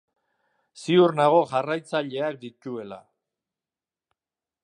Ziur nago jarraitzaileak dituela.